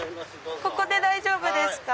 ここで大丈夫ですか？